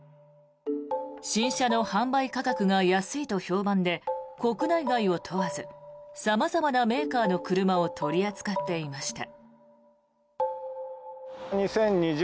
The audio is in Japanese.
新車の販売価格が安いと評判で国内外を問わず様々なメーカーの車を取り扱っていました。